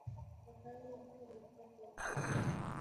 د خاورې مینه له زړه پیل کېږي.